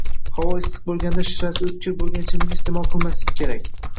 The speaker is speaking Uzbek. Havo issiq bo‘lganda shirasi o‘tkir bo‘lgan ichimlik iste’mol qilmaskik kerak